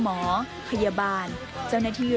หมอพยาบาลเจ้าหน้าที่